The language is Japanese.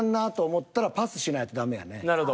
なるほど。